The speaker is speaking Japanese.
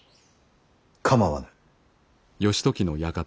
構わぬ。